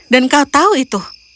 dan kau tahu itu